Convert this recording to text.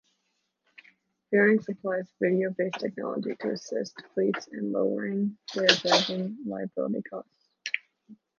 Viewnyx applies video-based technology to assist fleets in lowering their driving liability costs.